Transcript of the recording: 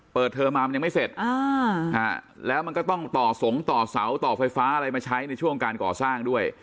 เทอมมามันยังไม่เสร็จแล้วมันก็ต้องต่อสงต่อเสาต่อไฟฟ้าอะไรมาใช้ในช่วงการก่อสร้างด้วย